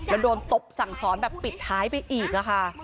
แล้วโดนตบสั่งสอนแบบปิดท้ายไปอีกค่ะ